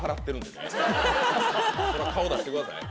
顔出してください。